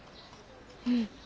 うん。